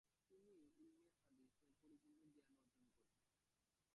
তিনি ' ইলমে হাদিস' '- এর পরিপূর্ণ জ্ঞান অর্জন করেন ।